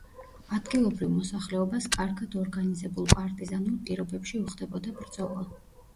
ადგილობრივ მოსახლეობას კარგად ორგანიზებულ პარტიზანულ პირობებში უხდებოდა ბრძოლა.